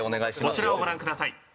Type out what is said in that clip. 「こちらをご覧ください」